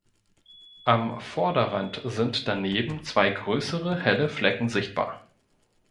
Am Vorderrand sind daneben zwei größere helle Flecken sichtbar.